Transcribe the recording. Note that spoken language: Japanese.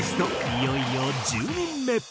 いよいよ１０人目。